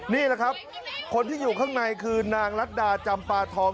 นี่แหละครับคนที่อยู่ข้างในคือนางรัฐดาจำปาทอง